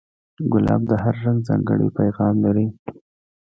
ګلاب د هر رنگ ځانګړی پیغام لري.